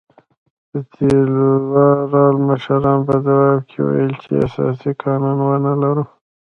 د تیورال مشرانو په ځواب کې ویل چې اساسي قانون ونه لرو.